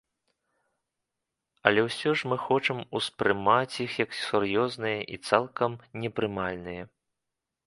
Але ўсё ж мы хочам ўспрымаць іх як сур'ёзныя і цалкам непрымальныя.